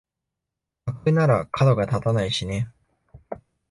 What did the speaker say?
架空ならかどが立たないしね